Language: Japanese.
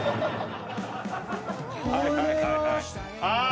あ！